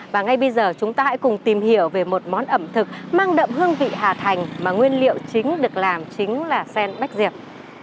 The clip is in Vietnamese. và ngay bây giờ chúng ta hãy cùng tìm hiểu về một món ẩm thực mang đậm hương vị hà thành mà nguyên liệu chính được làm chính là sen bách diệp